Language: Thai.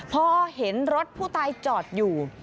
พอเห็นรถผู้ตายจอดอยู่